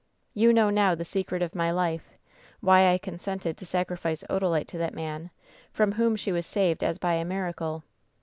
"You know now the secret of my life — ^why I con sented to sacrifice Odalite to that man, from whom she was saved as by a miracle.